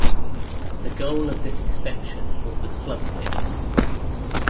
The goal of this extension was the slum clearance.